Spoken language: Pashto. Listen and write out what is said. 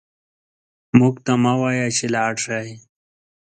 موږ ته مه وايه چې لاړ شئ